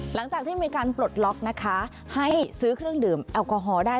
หลังจากที่มีการปลดล็อกนะคะให้ซื้อเครื่องดื่มแอลกอฮอล์ได้